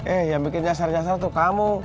eh yang bikin nyasar jasar tuh kamu